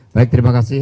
baik terima kasih